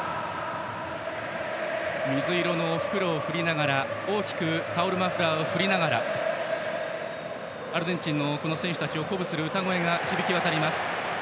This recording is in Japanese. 水色の袋を振りながら、大きくタオルマフラーを振りながらアルゼンチンの選手たちを鼓舞する歌声が響き渡ります。